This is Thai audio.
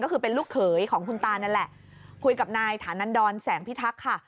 ก็คือเป็นลูกเขยของคุณตานั่นแหละคุยกับนายฐานันดรแสงพิทักษ์ค่ะ